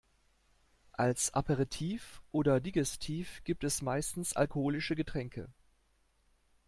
Als Aperitif oder Digestif gibt es meistens alkoholische Getränke.